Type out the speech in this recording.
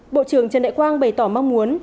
bộ trưởng trần đại quang bày tỏ mong muốn